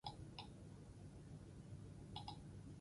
Marea biziak ere aurreikusi dituzte.